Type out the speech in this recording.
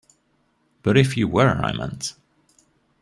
But if you were, I meant.